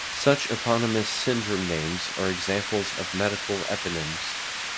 Such eponymous syndrome names are examples of medical eponyms.